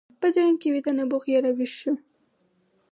په ذهن کې ویده نبوغ یې راویښ شو